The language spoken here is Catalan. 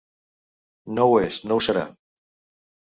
No ho és, no ho serà.